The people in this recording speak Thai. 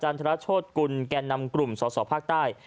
ทรโชธกุลแก่นำกลุ่มสอสอภาคใต้